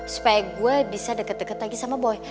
supaya gue bisa deket deket lagi sama boy